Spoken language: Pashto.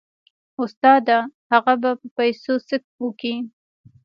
استاده هغه به په پيسو څه وکي.